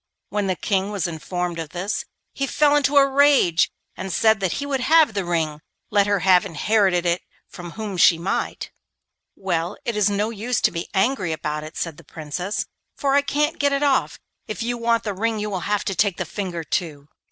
When the King was informed of this he fell into a rage, and said that he would have the ring, let her have inherited it from whom she might. 'Well, it's of no use to be angry about it,' said the Princess, 'for I can't get it off. If you want the ring you will have to take the finger too!